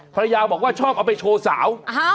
ภรรยาบอกว่าชอบเอาไปโชว์สาว